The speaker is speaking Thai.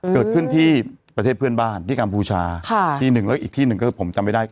เกิดขึ้นที่ประเทศเพื่อนบ้านที่กัมพูชาที่หนึ่งแล้วอีกที่หนึ่งก็ผมจำไม่ได้